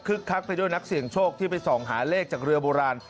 คักไปด้วยนักเสี่ยงโชคที่ไปส่องหาเลขจากเรือโบราณ